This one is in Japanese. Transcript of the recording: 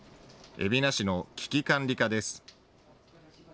海老名市の危機管理課です。